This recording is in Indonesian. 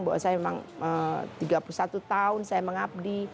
bahwa saya memang tiga puluh satu tahun saya mengabdi